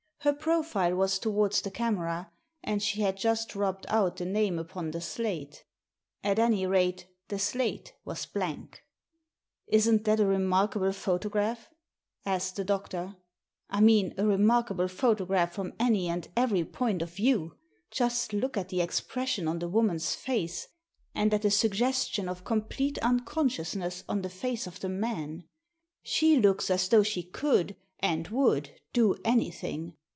Her profile was towards the camera, and she had just rubbed out the name upon the slate. At any rate, the slate was blank. " Isn't that a remarkable photograph ?" asked the doctor. "I mean a remarkable photograph from any and every point of view? Just look at the Digitized by VjOOQIC 30 THE SEEN AND THE UNSEEN expression on the woman's face, and at the sug gestion of complete unconsciousness on the face of the man. She looks as though she could, and would, do anything.